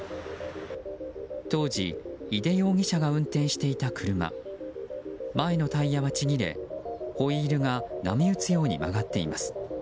当時、井手容疑者が運転していた車前のタイヤは切れホイールが波打つように曲がっています。